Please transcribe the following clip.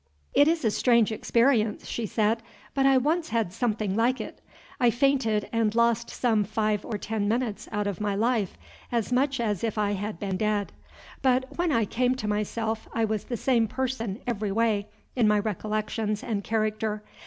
"It is a strange experience," she said; "but I once had something like it. I fainted, and lost some five or ten minutes out of my life, as much as if I had been dead. But when I came to myself, I was the same person every way, in my recollections and character.